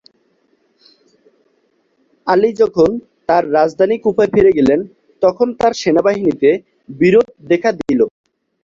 আলী যখন তার রাজধানী কুফায় ফিরে গেলেন, তখন তাঁর সেনাবাহিনীতে বিরোধ দেখা দিল।